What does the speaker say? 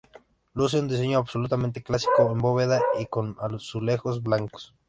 Luce un diseño absolutamente clásico, en bóveda y con azulejos blancos.